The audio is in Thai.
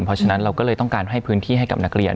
เพราะฉะนั้นเราก็เลยต้องการให้พื้นที่ให้กับนักเรียน